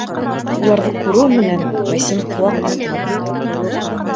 Уларҙы күреү менән, Вәсим ҡыуаҡ артына боҫто